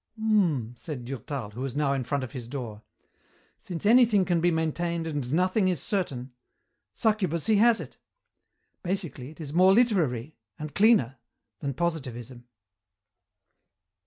"Mmmm," said Durtal, who was now in front of his door. "Since anything can be maintained and nothing is certain, succubacy has it. Basically it is more literary and cleaner than positivism."